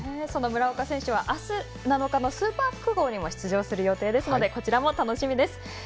村岡選手はあす、７日のスーパー複合にも出場する予定ですのでこちらも楽しみです。